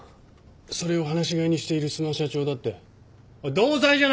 それを放し飼いにしている須磨社長だって同罪じゃないですか？